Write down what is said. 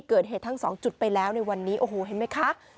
เกิดเหตุทั้งสองจุดไปแล้วในวันนี้โอ้โหเห็นไหมคะ